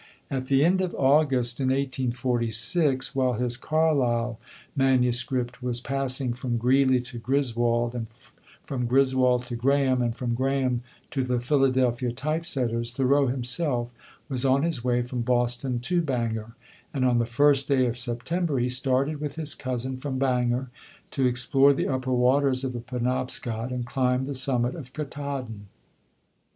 At the end of August, in 1846, while his Carlyle manuscript was passing from Greeley to Griswold, from Griswold to Graham, and from Graham to the Philadelphia type setters, Thoreau himself was on his way from Boston to Bangor; and on the first day of September he started with his cousin from Bangor, to explore the upper waters of the Penobscot and climb the summit of Ktaadn.